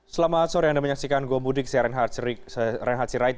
selamat sore anda menyaksikan gue budik saya renhardsi raid